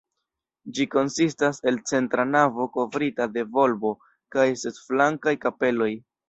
Ĝi konsistas el centra navo kovrita de volbo kaj ses flankaj kapeloj.